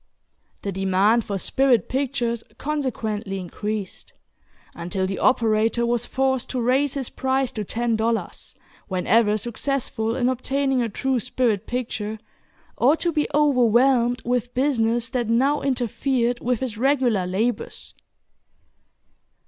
The demand for "spirit" pictures consequently increased, until the operator was forced to raise his price to ten dollars, whenever successful in obtaining a true "spirit picture," or to be overwhelmed with business that now interfered with his regular labors.